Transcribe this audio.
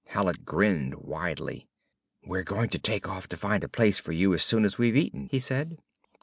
Hallet grinned widely. "We're going to take off to find a place for you as soon as we've eaten," he said.